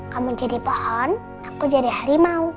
kamu jadi pohon aku jadi harimau